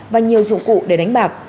và nhiều dụng cụ để đánh bạc